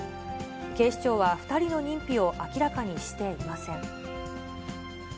警視庁は２人の認否を明らかにしていません。